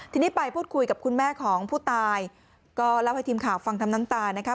ทีนี้ไปพูดคุยกับคุณแม่ของผู้ตายก็เล่าให้ทีมข่าวฟังทั้งน้ำตานะคะ